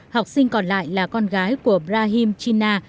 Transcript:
học sinh còn lại là con gái của brahim chinna